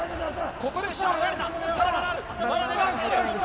ここで後ろを取られた。